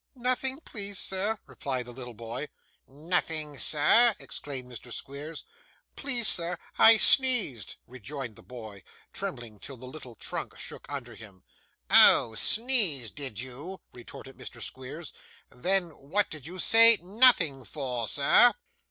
'Nothing, please sir,' replied the little boy. 'Nothing, sir!' exclaimed Mr. Squeers. 'Please sir, I sneezed,' rejoined the boy, trembling till the little trunk shook under him. 'Oh! sneezed, did you?' retorted Mr. Squeers. 'Then what did you say "nothing" for, sir?